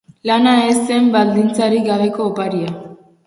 Lana ez zen baldintzarik gabeko oparia.